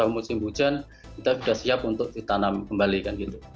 musim hujan kita sudah siap untuk ditanam kembalikan gitu